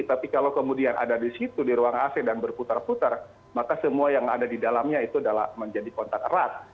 tapi kalau kemudian ada di situ di ruang ac dan berputar putar maka semua yang ada di dalamnya itu adalah menjadi kontak erat